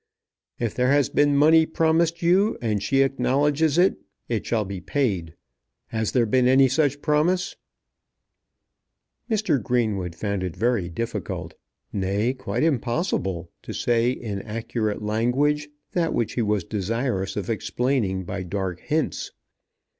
If there has been money promised you, and she acknowledges it, it shall be paid. Has there been any such promise?" Mr. Greenwood found it very difficult, nay, quite impossible, to say in accurate language that which he was desirous of explaining by dark hints.